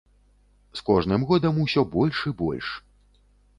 З кожным годам усё больш і больш.